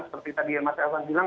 seperti tadi yang mas elvan bilang